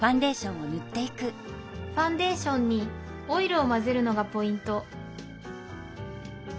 ファンデーションにオイルを混ぜるのがポイント